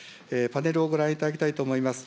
パネルをご覧いただきたいと思います。